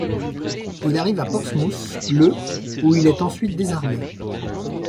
Il arrive à Portsmouth le où il est ensuite désarmé.